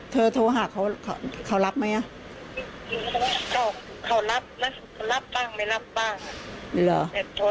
แต่โทรศัพท์เขาไม่ติดเลย